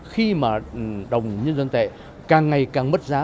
khi mà đồng nhân dân tệ càng ngày càng mất giá